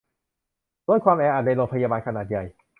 ลดความแออัดในโรงพยาบาลขนาดใหญ่